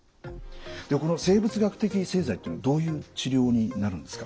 でこの生物学的製剤っていうのはどういう治療になるんですか？